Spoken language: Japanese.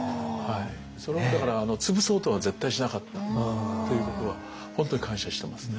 それはだから潰そうとは絶対しなかったということは本当に感謝してますね。